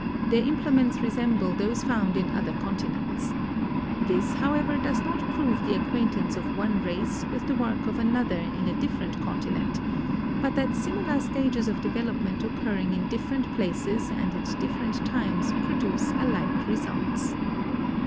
Their implements resemble those found in other con tinents. This, however, does not prove the acquaintance of one race with the work of another in a different continent, but that similar stages of development occurring in different places and at different times, produce a like results.